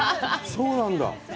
そうなんだ。